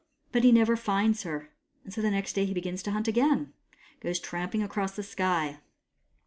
But he never finds her ; and so next day he begins to hunt again, and goes tramping across the sky.